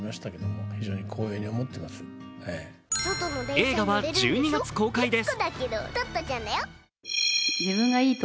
映画は１２月公開です。